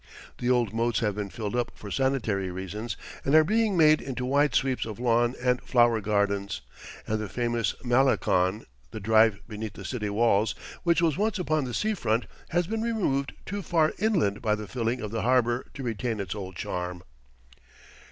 The old moats have been filled up for sanitary reasons and are being made into wide sweeps of lawn and flower gardens, and the famous Malecon, the drive beneath the city walls, which was once upon the sea front, has been removed too far inland by the filling of the harbour to retain its old charm.